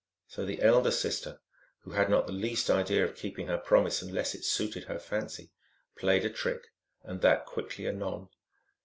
So the elder sister, who had not the least idea of keeping her promise unless it suited her fancy, played a trick, and that quickly anon.